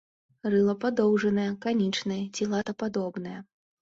Рыла падоўжанае, канічнае ці лапатападобнае.